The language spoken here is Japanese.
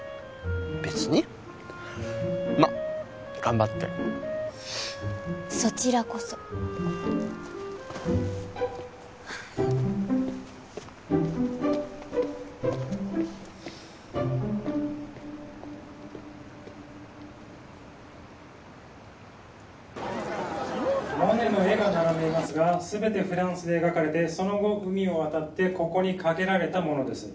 別にまっ頑張ってそちらこそモネの絵が並んでいますがすべてフランスで描かれてその後海を渡ってここにかけられたものです